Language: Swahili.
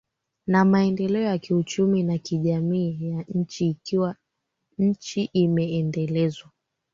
na maendeleo ya kiuchumi na kijamii ya nchi Ikiwa nchi imeendelezwa